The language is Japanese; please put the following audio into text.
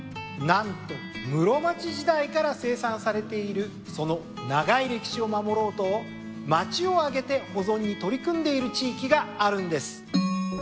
何と室町時代から生産されているその長い歴史を守ろうと町を挙げて保存に取り組んでいる地域があるんです。